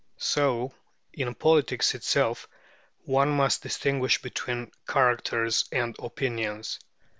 So, in politics itself, one must distinguish between characters and opinions.